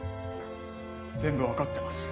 全部わかってます。